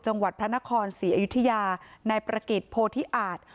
จังหวัดพระนครศรีอยุธยานายประกิจโพธิอาจ